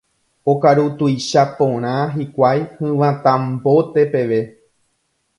okaru tuicha porã hikuái hyvatãmbóte peve